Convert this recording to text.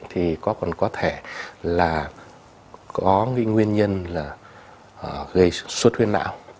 thì có còn có thể là có cái nguyên nhân là gây xuất huyết não